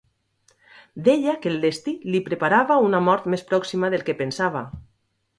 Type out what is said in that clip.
Deia que el destí li preparava una mort més pròxima del que pensava.